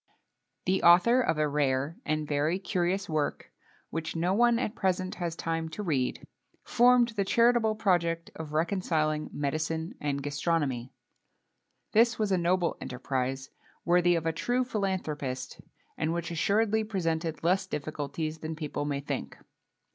The author of a rare and very curious work,[XXII 1] which no one at present has time to read, formed the charitable project of reconciling medicine and gastronomy. This was a noble enterprize, worthy of a true philanthropist, and which assuredly presented less difficulties than people may think.